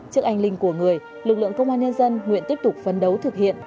trước anh linh của người lực lượng công an nhân dân nguyện tiếp tục phấn đấu thực hiện